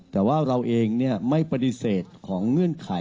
แต่ว่าเราเองไม่ปฏิเสธของเงื่อนไข